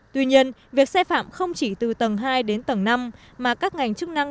tuy nhiên việc sai phạm không chỉ từ tầng hai đến tầng năm mà các ngành chức năng